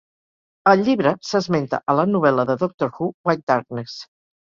El llibre s'esmenta a la novel·la de Doctor Who "White Darkness".